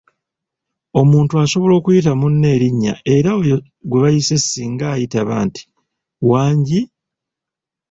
Omuntu asobola okuyita munne erinnya era oyo gwe bayise singa ayitaba nti "Wangi?